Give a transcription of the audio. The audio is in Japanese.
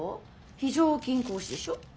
非常勤講師でしょ？